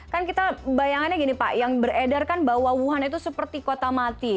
kan kita bayangannya gini pak yang beredar kan bahwa wuhan itu seperti kota mati